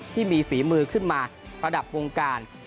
ฝีมือขึ้นมาระดับวงการ